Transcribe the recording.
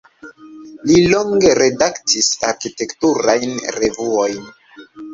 Li longe redaktis arkitekturajn revuojn.